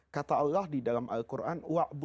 kata allah di dalam al quran